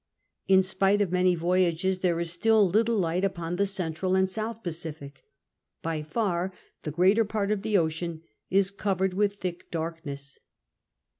In spite of many voyages there is still little light upon the central and south raciSc. By far the greater part of the ocean is covered with thick darkness.